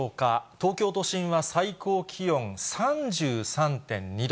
東京都心は最高気温３３．２度。